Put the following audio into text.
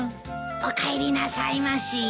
おかえりなさいまし。